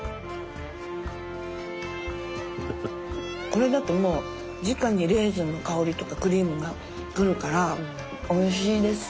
これだともうじかにレーズンの香りとかクリームがくるからおいしいです。